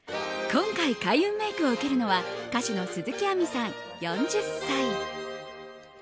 今回、開運メイクを受けるのは歌手の鈴木亜美さん、４０歳。